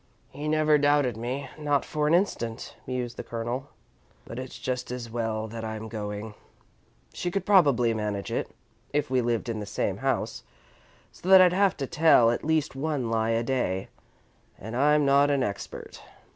"He never doubted me, not for an instant," mused the Colonel, "but it's just as well that I'm going. She could probably manage it, if we lived in the same house, so that I'd have to tell at least one lie a day, and I'm not an expert.